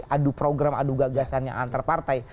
aduh program aduh gagasannya antar partai